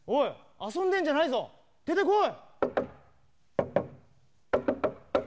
あそんでんじゃないぞでてこい。